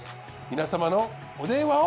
皆さまのお電話を。